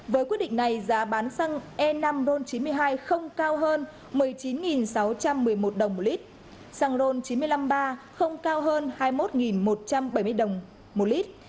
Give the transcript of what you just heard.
với quyết định này giá bán xăng e năm ron chín mươi hai không cao hơn một mươi chín sáu trăm một mươi một đồng một lít xăng ron chín trăm năm mươi ba không cao hơn hai mươi một một trăm bảy mươi đồng một lít